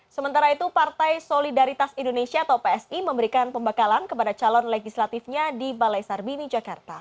sementara itu partai solidaritas indonesia atau psi memberikan pembekalan kepada calon legislatifnya di balai sarbini jakarta